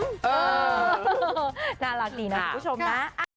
น่ารักดีนะคุณผู้ชมนะ